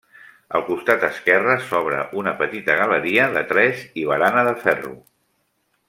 Al costat esquerre s'obre una petita galeria de tres i barana de ferro.